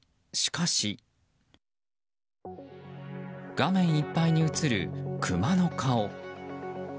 画面いっぱいに映るクマの顔。